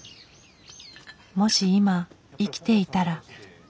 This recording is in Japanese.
もし今生きていたら。